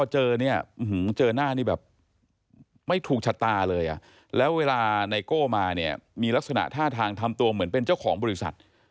เจอเนี่ยเจอหน้านี่แบบไม่ถูกชะตาเลยอ่ะแล้วเวลาไนโก้มาเนี่ยมีลักษณะท่าทางทำตัวเหมือนเป็นเจ้าของบริษัท